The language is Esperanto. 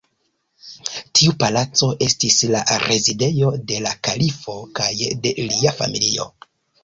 Tiu Palaco estis la rezidejo de la kalifo kaj de lia familio.